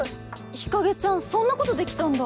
日蔭ちゃんそんなことできたんだ。